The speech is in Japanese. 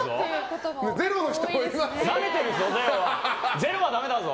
ゼロはだめだよ！